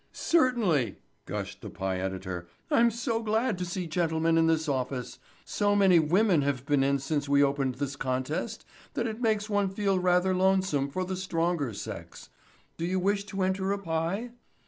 "Certainly," gushed the pie editor. "I'm so glad to see gentlemen in this office. So many women have been in since we opened this contest that it makes one feel rather lonesome for the stronger sex. Do you wish to enter a pie?"